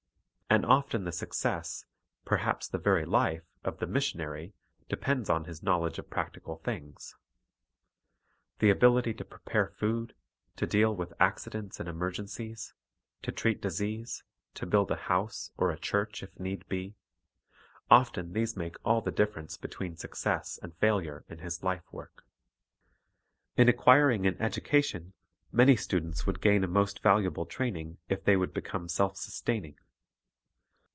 And often the success, perhaps the very life, of the mission ary, depends on his knowledge of practical things. The ability to prepare food, to deal with accidents and emer gencies, to treat disease, to build a house, or a church if need be, — often these make all the difference between success and failure in his life work. In acquiring an education, man)' students would gain a most valuable training if they would become self sustaining.